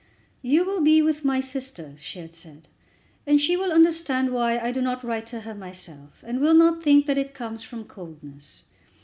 "You will be with my sister," she had said; "and she will understand why I do not write to her myself, and will not think that it comes from coldness."